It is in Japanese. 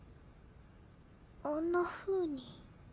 あんなふうに